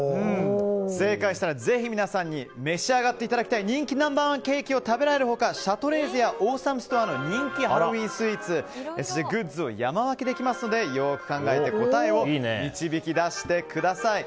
正解したら、ぜひ皆さんに召し上がっていただきたい人気ナンバー１ケーキを食べられる他シャトレーゼやオーサムストアの人気アイテムやグッズを山分けできますのでよく考えて答えを導き出してください。